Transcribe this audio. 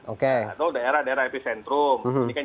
atau daerah daerah epicentrum